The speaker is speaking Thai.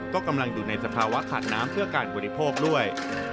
ก็กำลังอยู่ในสภาวะขาดน้ำเพื่อการบริโภคด้วย